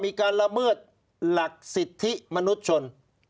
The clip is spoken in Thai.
มีการละเมิดหลักสิทธิมนุษยชน